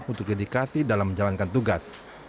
untuk dedikasi dalam menjalankan tugas